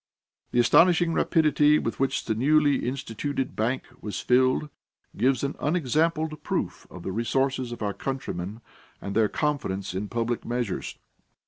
The astonishing rapidity with which the newly instituted bank was filled, gives an unexampled proof of the resources of our countrymen and their confidence in public measures.